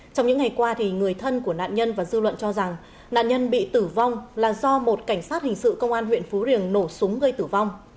trong những ngày qua người thân của nạn nhân và dư luận cho rằng nạn nhân bị tử vong là do một cảnh sát hình sự công an huyện phú riềng nổ súng gây tử vong